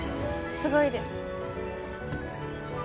すごいです。